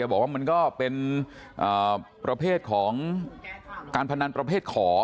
บอกว่ามันก็เป็นประเภทของการพนันประเภทขอ